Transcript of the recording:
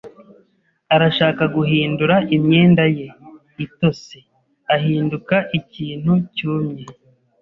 arashaka guhindura imyenda ye itose ahinduka ikintu cyumye.